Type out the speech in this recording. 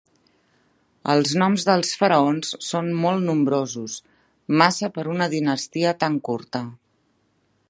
Els noms dels faraons són molt nombrosos, massa per una dinastia tan curta.